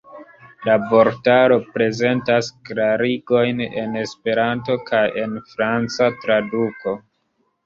La vortaro prezentas klarigojn en Esperanto kaj en franca traduko.